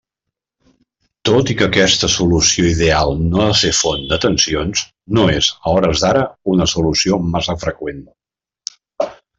Tot i que aquesta solució ideal no ha de ser font de tensions, no és, a hores d'ara, una solució massa freqüent.